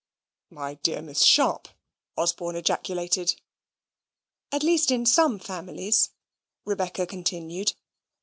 "My dear Miss Sharp!" Osborne ejaculated. "At least in some families," Rebecca continued.